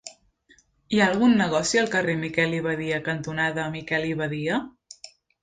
Hi ha algun negoci al carrer Miquel i Badia cantonada Miquel i Badia?